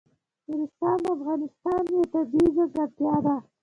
نورستان د افغانستان یوه طبیعي ځانګړتیا ده.